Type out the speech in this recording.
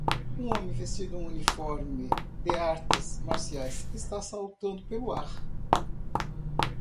Um homem vestindo um uniforme de artes marciais está saltando pelo ar.